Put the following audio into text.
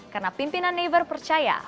karena pimpinan naver percaya